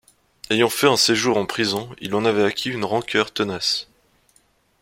Ayant fait un séjour en prison, il en avait acquis une rancœur tenace.